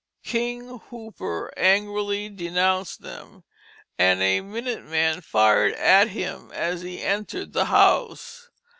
"King Hooper" angrily denounced them, and a minute man fired at him as he entered the house.